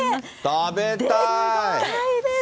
食べたい。